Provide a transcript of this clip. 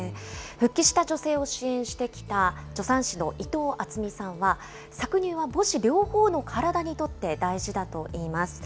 復帰した女性を支援してきた助産師の伊藤敦美さんは、搾乳は母子両方の体にとって大事だといいます。